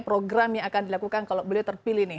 program yang akan dilakukan ke depan